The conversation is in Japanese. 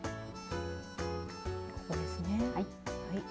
ここですね。